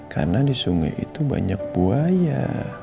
karena di sungai itu banyak buaya